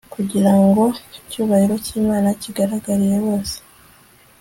kugira ngo icyubahiro cy'imana kigaragarire bose